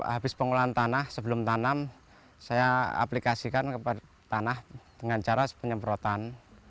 habis pengolahan tanah sebelum tanam saya aplikasikan kepada tanah dengan cara penyemprotan